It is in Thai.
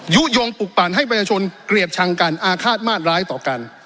ยุโยงปลุกปั่นให้ประชาชนเกลียดชังกันอาฆาตมาตร้ายต่อกัน